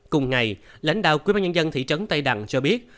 cùng ngày lãnh đạo quyết báo nhân dân thị trấn tây đằng cho biết